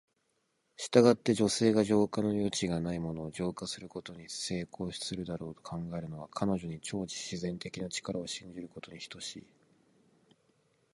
したがって、女性が浄化の余地がないものを浄化することに成功するだろうと考えるのは、彼女に超自然的な力を信じることに等しい。